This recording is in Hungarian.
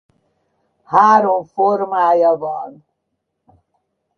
Három formája van.